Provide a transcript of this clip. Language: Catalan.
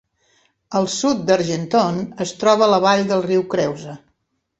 Al sud d'Argenton es troba la vall del riu Creuse.